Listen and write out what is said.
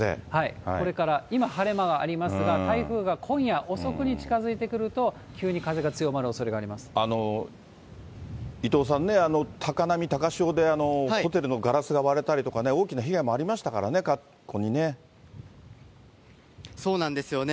それから今、晴れ間がありますが、台風が今夜遅くに近づいてくると、急に風が伊藤さんね、高波、高潮でホテルのガラスが割れたりとかね、大きな被害もありましたそうなんですよね。